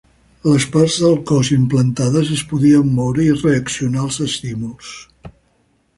Les parts del cos implantades es podien moure i reaccionar als estímuls.